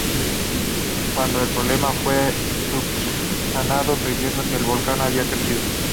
Cuando el problema fue subsanado, creyeron que el volcán había crecido.